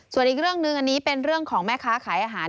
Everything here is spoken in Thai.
ส่วนอีกเรื่องหนึ่งอันนี้เป็นเรื่องของแม่ค้าขายอาหาร